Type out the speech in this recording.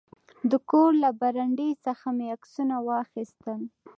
د کور له برنډې څخه مې عکسونه واخیستل.